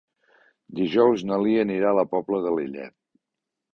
Dijous na Lia anirà a la Pobla de Lillet.